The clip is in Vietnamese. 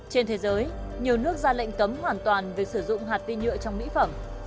trên thế giới nhiều nước ra lệnh cấm hoàn toàn việc sử dụng hạt vi nhựa trong mỹ phẩm